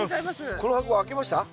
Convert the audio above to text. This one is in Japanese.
この箱開けました？